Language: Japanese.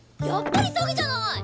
やっぱり詐欺じゃない！